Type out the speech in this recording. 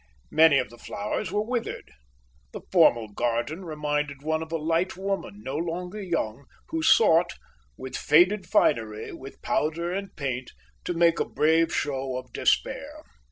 Many of the flowers were withered. The formal garden reminded one of a light woman, no longer young, who sought, with faded finery, with powder and paint, to make a brave show of despair.